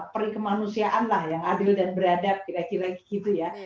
perikemanusiaan yang adil dan beradab tidak kira kira gitu ya